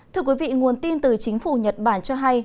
thưa quý vị nguồn tin từ chính phủ nhật bản cho hay